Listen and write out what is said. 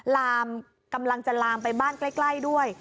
กำลังจะลามไปบ้านใกล้ด้วย